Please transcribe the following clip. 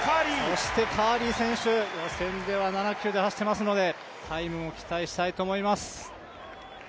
そしてカーリー選手、予選では７９で走ってますのでタイムも期待したいと思います。